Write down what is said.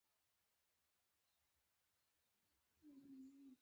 ټولو خلکو په سیاست کې برابره ونډه نه لرله